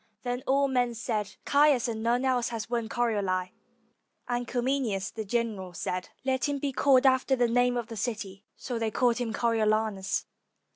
Then all men said, "Caius and none else has won Corioli"; and Cominius the general said, "Let him be called after the name of the city." So they called him Coriolanus.